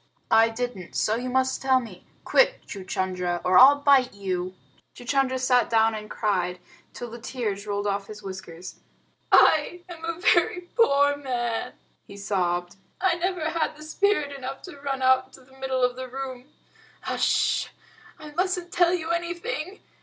"I didn't so you must tell me. Quick, Chuchundra, or I'll bite you!" Chuchundra sat down and cried till the tears rolled off his whiskers. "I am a very poor man," he sobbed. "I never had spirit enough to run out into the middle of the room. H'sh! I mustn't tell you anything.